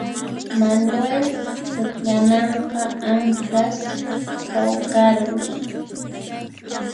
Manuel pukllananqa anqhas pawqarmi